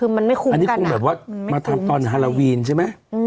คือมันไม่คุ้มกันอ่ะไม่คุ้มจริงอันนี้คงแบบว่ามาทำตอนฮาราวีนใช่ไหม